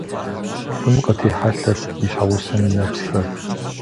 Лӏым къытехьэлъэрт и щхьэгъусэм и нэпсхэр.